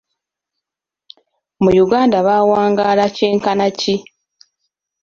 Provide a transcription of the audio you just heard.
Mu Uganda bawangaala kyenkana ki?